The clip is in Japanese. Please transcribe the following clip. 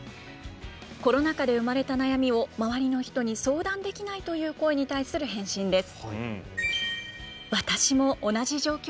コロナ禍で生まれた悩みを周りの人に相談できないという声に対する返信です。